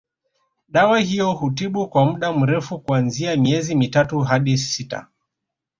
Dawa hiyo hutibu kwa muda mrefu kuanzia miezi mitatu hadi sita